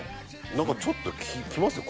何かちょっと来ますよ